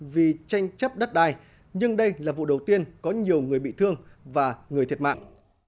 vì tranh chấp đất đai nhưng đây là vụ đầu tiên có nhiều người bị thương và người thiệt mạng